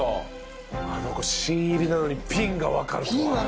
あの子新入りなのに「ピン！」がわかるとは。